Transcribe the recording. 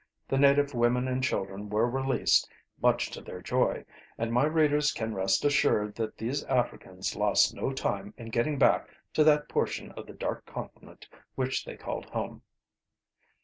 The native women and children were released, much to their joy, and my readers can rest assured that these Africans lost no time in getting back to that portion of the Dark Continent which they called home.